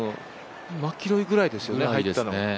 マキロイぐらいですよね入ったの。